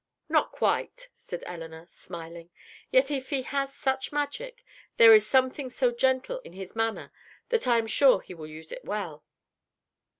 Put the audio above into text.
"Not quite," said Elinor, smiling. "Yet if he has such magic, there is something so gentle in his manner that I am sure he will use it well."